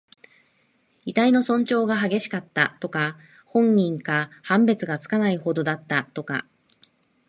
遺体の損傷が激しかった、とか。本人か判別がつかないほどだった、とか。